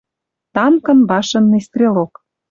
Танкын башенный стрелок.